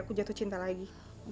aku jatuh cinta lagi